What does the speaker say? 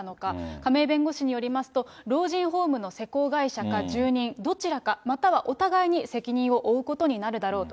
亀井弁護士によりますと、老人ホームの施工会社か住人、どちらか、またはお互いに責任を負うことになるだろうと。